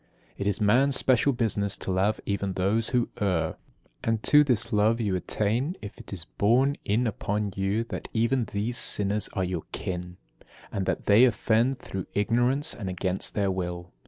22. It is man's special business to love even those who err; and to this love you attain, if it is borne in upon you that even these sinners are your kin, and that they offend through ignorance and against their will.